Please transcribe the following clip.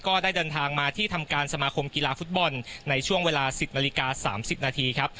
ก็ได้เดินทางมาที่ทำการสมาคมกีฬาฟุตบอลในช่วงเวลา๑๐นาฬิกา๓๐นาทีครับ